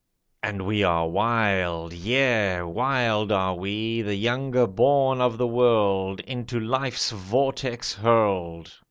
And we are wild— Yea, wild are we, the younger born of the World Into life's vortex hurled.